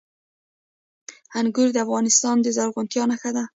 انګور د افغانستان د زرغونتیا نښه ده.